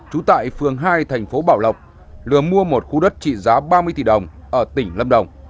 trú tại phường hai thành phố bảo lộc lừa mua một khu đất trị giá ba mươi tỷ đồng ở tỉnh lâm đồng